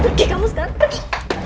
pergi kamu sekarang pergi